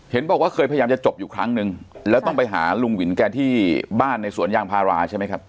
บอกว่าเคยพยายามจะจบอยู่ครั้งนึงแล้วต้องไปหาลุงวินแกที่บ้านในสวนยางพาราใช่ไหมครับ